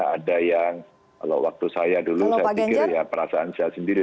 ada yang kalau waktu saya dulu saya pikir ya perasaan saya sendiri